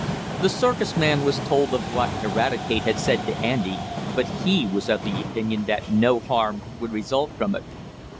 The circus man was told of what Eradicate had said to Andy, but he was of the opinion that no harm would result from it.